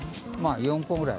４個ぐらい。